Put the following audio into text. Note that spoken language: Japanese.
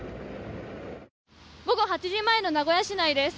午後８時前の名古屋市内です。